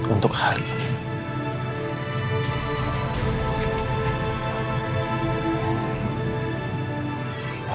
untuk hari ini